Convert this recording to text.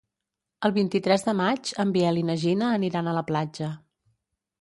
El vint-i-tres de maig en Biel i na Gina aniran a la platja.